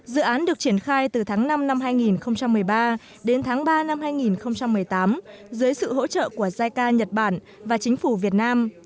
dự án được triển khai từ tháng năm năm hai nghìn một mươi ba đến tháng ba năm hai nghìn một mươi tám dưới sự hỗ trợ của jica nhật bản và chính phủ việt nam